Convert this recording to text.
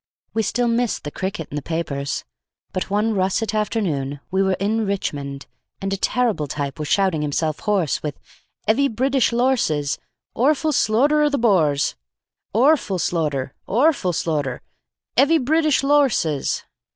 We still missed the cricket in the papers. But one russet afternoon we were in Richmond, and a terrible type was shouting himself hoarse with "'Eavy British lorsses—orful slorter o' the Bo wers! Orful slorter! Orful slorter! 'Eavy British lorsses!"